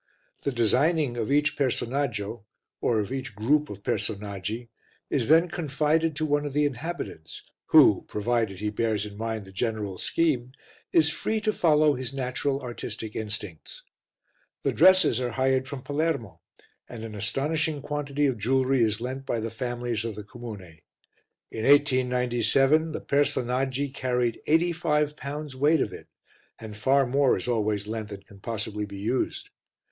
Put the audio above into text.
The designing of each personaggio, or of each group of personaggi, is then confided to one of the inhabitants, who, provided he bears in mind the general scheme, is free to follow his natural artistic instincts. The dresses are hired from Palermo, and an astonishing quantity of jewellery is lent by the families of the comune; in 1897 the personaggi carried 85 lbs. weight of it, and far more is always lent than can possibly be used.